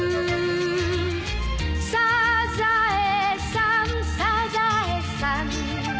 「サザエさんサザエさん」